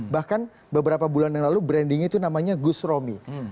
bahkan beberapa bulan yang lalu brandingnya itu namanya gus romi